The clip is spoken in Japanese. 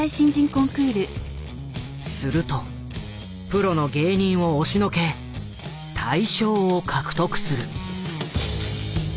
するとプロの芸人を押しのけ大賞を獲得する。